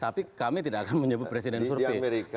tapi kami tidak akan menyebut presiden survey